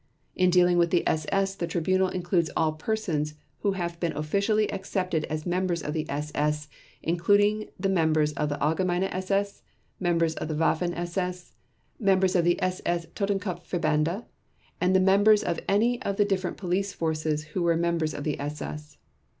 In dealing with the SS the Tribunal includes all persons who had been officially accepted as members of the SS including the members of the Allgemeine SS, members of the Waffen SS, members of the SS Totenkopf Verbände, and the members of any of the different police forces who were members of the SS.